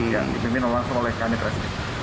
yang dipimpin langsung oleh kanit reskrim